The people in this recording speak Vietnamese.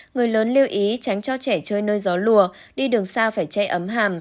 người lớn lưu ý tránh cho trẻ chơi nơi gió lùa đi đường xa phải che ấm hàm